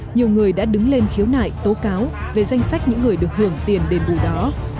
nhiều người đã đứng lên khiếu nại tố cáo về danh sách những người được hưởng tiền đền bù đó